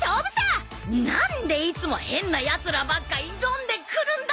なんでいつも変なやつらばっか挑んでくるんだ！